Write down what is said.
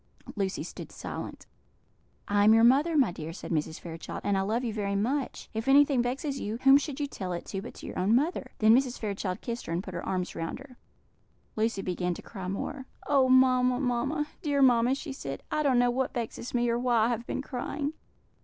Lucy stood silent. "I am your mother, my dear," said Mrs. Fairchild, "and I love you very much; if anything vexes you, whom should you tell it to but to your own mother?" Then Mrs. Fairchild kissed her, and put her arms round her. Lucy began to cry more. "Oh, mamma, mamma! dear mamma!" she said, "I don't know what vexes me, or why I have been crying."